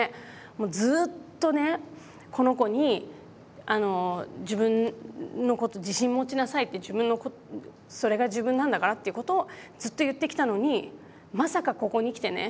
もうずっとねこの子に自分のこと自信持ちなさいってそれが自分なんだからっていうことをずっと言ってきたのにまさかここにきてね